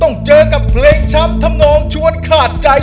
ต้องเจอกับเพลงช้ำทำนองชวนขาดใจ